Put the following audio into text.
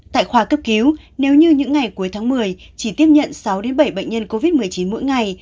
tại khoa cấp cứu nếu như những ngày cuối tháng một mươi chỉ tiếp nhận sáu bảy bệnh nhân covid một mươi chín mỗi ngày